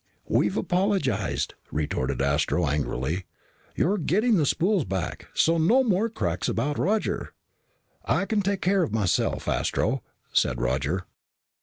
"We've apologized," retorted Astro angrily. "You're getting the spools back. So no more cracks about Roger." "I can take care of myself, Astro," said Roger.